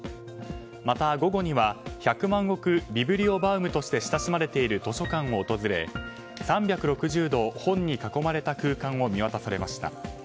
また、午後には百万石ビブリオバウムとして親しまれている図書館を訪れ３６０度、本に囲まれた空間を見渡されました。